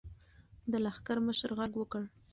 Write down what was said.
د لښکر مشر غږ وکړ.